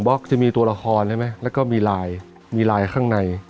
บล็อกจะมีตัวละครใช่ไหมแล้วก็มีลายมีลายข้างใน